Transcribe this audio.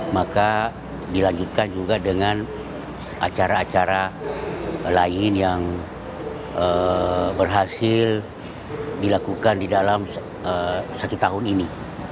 maka dilanjutkan juga dengan acara acara lain yang berhasil dilakukan di dalam satu tahun ini